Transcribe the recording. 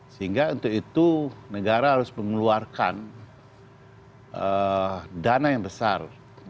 sehingga untuk itu negara harus mengeluarkan dana yang besar